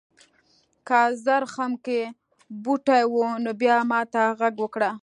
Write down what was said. که زرخم کې بوټي و نو بیا ماته غږ وکړه.